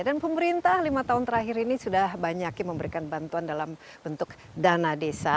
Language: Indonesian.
dan pemerintah lima tahun terakhir ini sudah banyak memberikan bantuan dalam bentuk dana desa